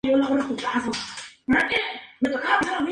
Esto se expone con más detalle en "El sueño y el inframundo".